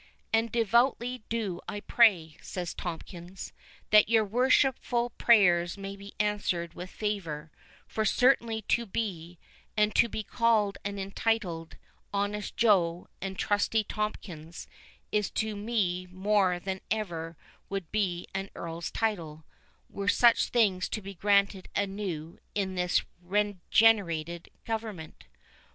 "And devoutly do I pray," said Tomkins, "that your worshipful prayers may be answered with favour; for certainly to be, and to be called and entitled, Honest Joe, and Trusty Tomkins, is to me more than ever would be an Earl's title, were such things to be granted anew in this regenerated government."